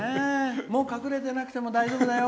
もう隠れてなくても大丈夫だよ！